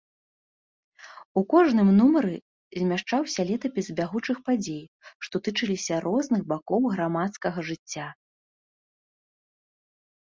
У кожным нумары змяшчаўся летапіс бягучых падзей, што тычыліся розных бакоў грамадскага жыцця.